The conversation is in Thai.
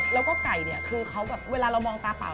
แล้วก็ไก่เนี่ยเวลาเรามองตาเปล่า